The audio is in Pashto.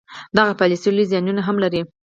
دغه پالیسي لوی زیانونه هم لري.